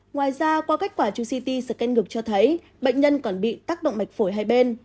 ngoài ra qua kết quả chu ct sercen ngực cho thấy bệnh nhân còn bị tác động mạch phổi hai bên